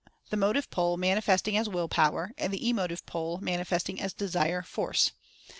The Motive Pole mani festing as Will Power, and the Emotive Pole mani festing as Desire Force.